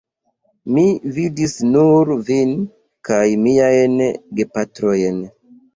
Mi vidis nur vin kaj miajn gepatrojn.